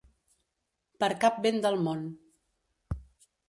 Per cap vent del món.